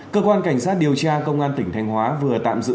cơ quan cảnh sát điều tra công an tỉnh thanh hóa vừa tạm giữ